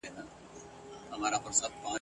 شعر له موزونو او منظومو کلماتو څخه جوړ کلام وي !.